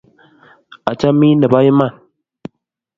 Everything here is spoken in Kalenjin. Achamin nepo Iman